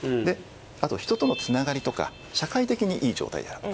あと人とのつながりとか社会的にいい状態であること。